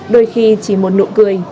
đôi khi chỉ một nụ cười